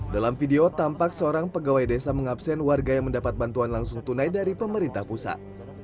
dalam video tampak seorang pegawai desa mengabsen warga yang mendapat bantuan langsung tunai dari pemerintah pusat